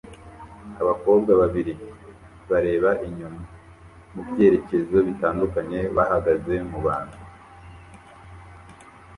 Abakobwa babiri bareba inyuma mu byerekezo bitandukanye bahagaze mu bantu